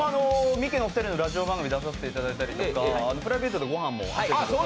ミキのお二人のラジオ番組に出させていただいたりプライベートでごはんも行かせてもらって。